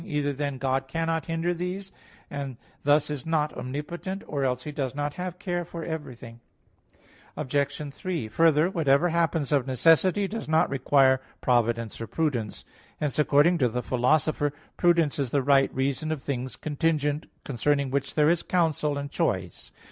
Either, then, God cannot hinder these, and thus is not omnipotent; or else He does not have care for everything. Obj. 3: Further, whatever happens of necessity does not require providence or prudence. Hence, according to the Philosopher (Ethic. vi, 5, 9, 10, 11): "Prudence is the right reason of things contingent concerning which there is counsel and choice."